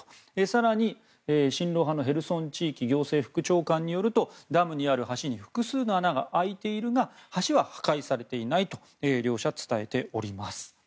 更に親露派のヘルソン地域行政副長官によるとダムにある橋に複数の穴が開いているが橋は破壊されていないと両者、伝えております。